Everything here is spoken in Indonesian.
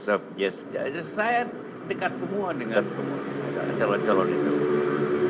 saya dekat semua dengan calon calon itu